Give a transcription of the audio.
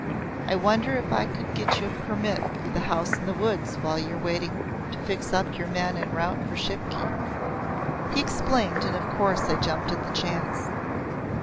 I wonder if I could get you a permit for The House in the Woods while you re waiting to fix up your men and route for Shipki." He explained and of course I jumped at the chance.